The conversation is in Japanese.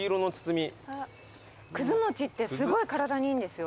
久寿餅ってすごい体にいいんですよ。